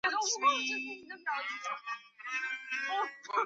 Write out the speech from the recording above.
准噶尔猪毛菜是苋科猪毛菜属的植物。